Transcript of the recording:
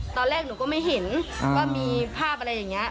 ตอนแรกหนูก็ไม่เห็นว่ามีภาพอะไรอย่างนี้